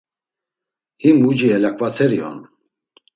Him uci elaǩvateri on.